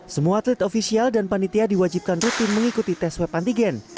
semua atlet ofisial dan panitia diwajibkan rutin mengikuti tes web antigen